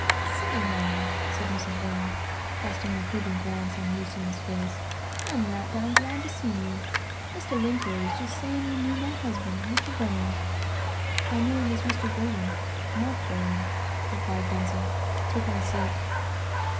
"Say, now," said Mrs. Vrain, casting an approving glance on Lucian's face, "I'm right down glad to see you. Mr. Link here was just saying you knew my husband, Mr. Vrain." "I knew him as Mr. Berwin Mark Berwin," replied Denzil, taking a seat.